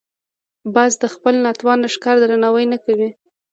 باز د خپل ناتوان ښکار درناوی نه کوي